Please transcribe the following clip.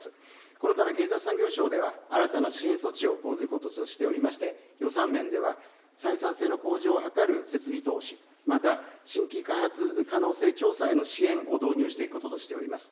このため、経済産業省では、新たな支援措置を講ずることとしておりまして、予算面では採算性の向上を図る設備投資、また新規開発可能性調査への支援を導入していくこととしております。